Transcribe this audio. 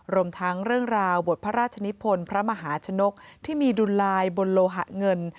รวมทั้งเรื่องราวบทพระราชนิพลพระมหาชนกที่มีดุลลายบนโลหะเงิน